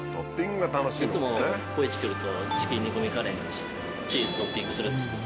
いつも「ココイチ」来るとチキンにこみカレーにしてチーズトッピングするんですけど。